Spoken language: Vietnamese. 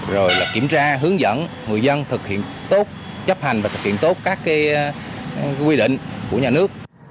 rồi là kiểm tra hướng dẫn người dân thực hiện tốt chấp hành và thực hiện tốt các quy định của nhà nước